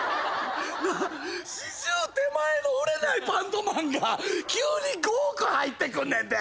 なあ４０手前の売れないバンドマンが急に５億入ってくんねんで。